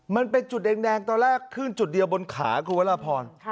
มันเป็นจุดแดงตอนแรกขึ้นจุดเดียวบนขาคุณวรพร